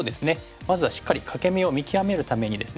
まずはしっかり欠け眼を見極めるためにですね